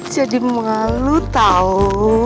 jadi malu tau